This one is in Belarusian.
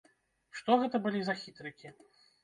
Што гэта былі за хітрыкі?